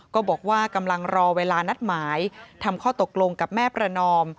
ก็บอกว่ากำลังรอเวลานัดหมายทำข้อตกลงกับแม่ประนอม